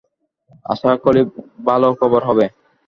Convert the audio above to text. আশাকরি ভাল খবর হবে।